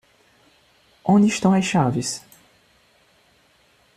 Onde estão as chaves?